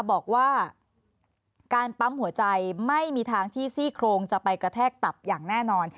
บอกว่าการปั๊มหัวใจไม่มีทางที่ซี่โครงจะไปกระแทกตับอย่างแน่นอน